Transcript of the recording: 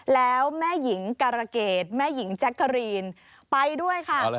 แล้วแม่หญิงการะเกดแม่หญิงแจ๊กกะรีนไปด้วยค่ะ